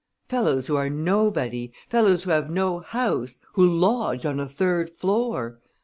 Fellows who are nobody, fellows who have no house, who lodge on a third floor!